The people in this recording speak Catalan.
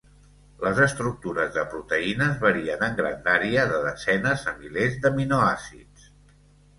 Les estructures de proteïnes varien en grandària, de desenes a milers d'aminoàcids.